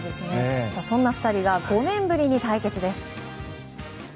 そんな２人が５年ぶりに対決です。